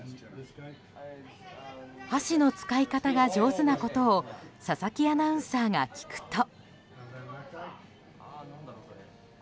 箸の使い方が上手なことを佐々木アナウンサーが聞くと。